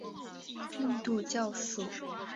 印度教属。